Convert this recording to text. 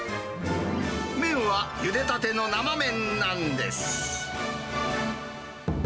麺はゆでたての生麺なんです。